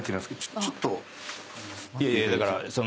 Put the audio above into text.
いやいやだからその。